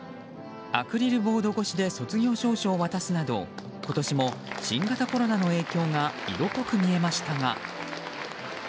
アクリルボード越しで卒業証書を渡すなど今年も新型コロナの影響が色濃く見えましたが。